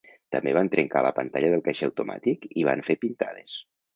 També van trencar la pantalla del caixer automàtic i van fer pintades.